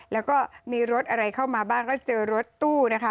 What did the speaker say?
แล้วก็มีรถอะไรเข้ามาบ้างก็เจอรถตู้นะคะ